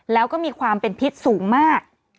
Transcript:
แล้วก็มีความเป็นพิษสูงมาก